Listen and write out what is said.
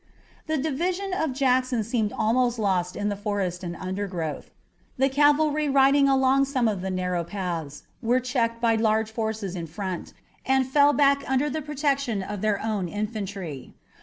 The division of Jackson seemed almost lost in the forest and undergrowth. The cavalry riding along some of the narrow paths were checked by large forces in front, and fell back under the protection of their own infantry.